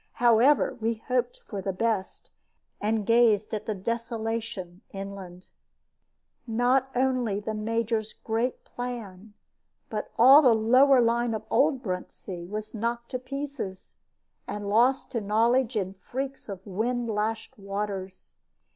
However, we hoped for the best, and gazed at the desolation inland. Not only the Major's great plan, but all the lower line of old Bruntsea, was knocked to pieces, and lost to knowledge in freaks of wind lashed waters.